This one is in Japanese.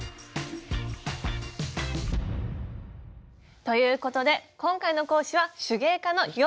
ということで今回の講師は手芸家の洋輔さんです。